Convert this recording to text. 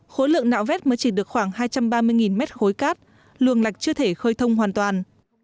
khối lượng nạo vét mới chỉ được khoảng hai trăm ba mươi mét khối cát luồng lạch chưa thể khơi thông hoàn toàn